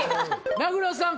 名倉さん